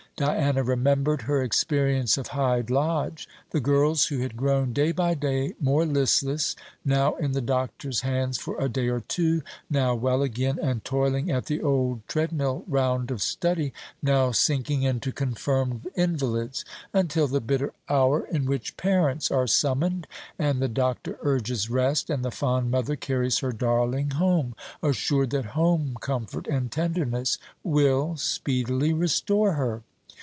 Diana remembered her experience of Hyde Lodge: the girls who had grown day by day more listless, now in the doctor's hands for a day or two, now well again and toiling at the old treadmill round of study, now sinking into confirmed invalids; until the bitter hour in which parents are summoned, and the doctor urges rest, and the fond mother carries her darling home, assured that home comfort and tenderness will, speedily restore her.